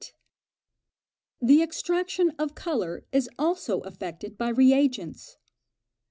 The extraction of colour is also effected by re agents.